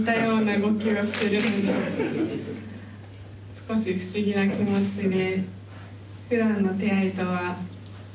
少し不思議な気持ちで。